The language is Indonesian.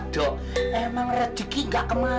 dok emang rezeki gak kemana